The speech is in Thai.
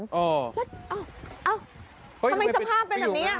ทำไมสภาพเป็นแบบนี้